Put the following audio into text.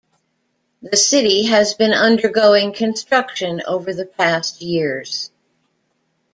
The city has been undergoing construction over the past years.